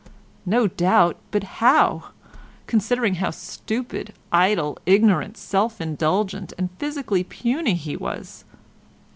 No doubt, but how—considering how stupid, idle, ignorant, self indulgent, and physically puny he was?